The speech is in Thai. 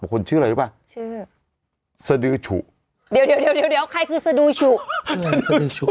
ของคนชื่ออะไรดูป่ะชื่อสดื้อฉุเดี๋ยวใครคือสดื้อฉุ